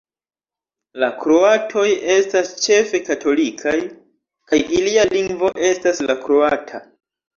La kroatoj estas ĉefe katolikaj, kaj ilia lingvo estas la kroata.